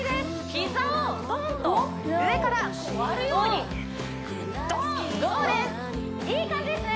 膝をドンと上から割るようにドンそうですいい感じですね